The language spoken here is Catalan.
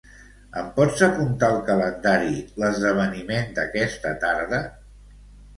Em pots apuntar al calendari l'esdeveniment d'aquesta tarda?